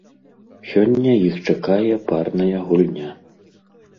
Сёння іх чакае парная гульня.